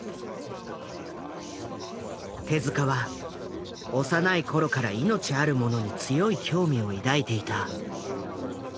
手は幼い頃から命あるものに強い興味を抱いていた。